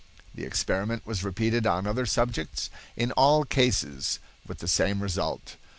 The experiment was repeated on other subjects, in all cases with the same result.